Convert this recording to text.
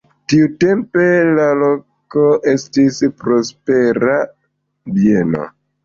Tiutempe la loko estis prospera bieno.